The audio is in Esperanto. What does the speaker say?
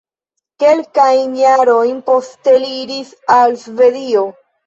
Kelkajn jarojn poste li iris al Svedio.